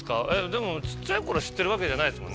でも小っちゃい頃知ってるわけじゃないですもんね。